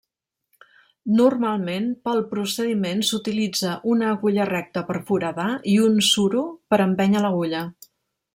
Normalment, pel procediment s'utilitza una agulla recta per foradar i un suro per empènyer l'agulla.